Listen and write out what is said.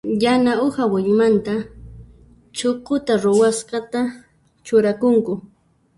Yana uha willmamanta chukuta ruwasqata churakunku.